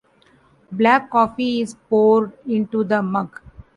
Black coffee is poured into the mug.